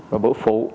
rồi bữa phụ